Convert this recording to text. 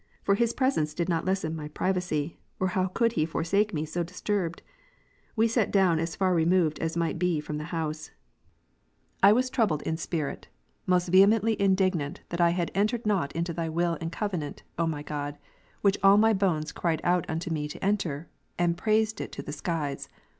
For his presence did not lessen my privacy ; or how could he forsake me so disturbed ? We sate down as far removed as might be from the house. I was troubled in spirit, most L 2 148 How it is that the mind (lisoheys itself. CONF. veliemently indignant tliat I entered not into Thy will and : covenant, O my God, wbicli «// wy bones cried out unto me to enter, and praised it to the skies.